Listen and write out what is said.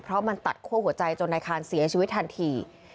เพราะมันตัดคั่วหัวใจจนนายคานเสียชีวิตทันที